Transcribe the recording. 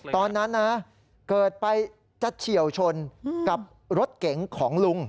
ตอนนั้นนะเกิดไปจะเฉียวชนกับรถเก๋งของลุง